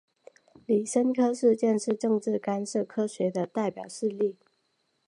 李森科事件是政治干涉科学的代表事例。